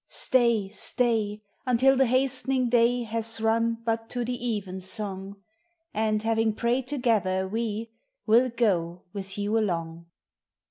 Stay, stay, Until the hastening day Has run But to the eyen song; And having prayed together, we Will goe with you along.